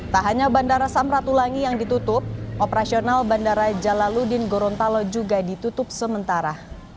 tak hanya bandara samratulangi yang ditutup operasional bandara jalaludin gorontalo juga ditutup sementara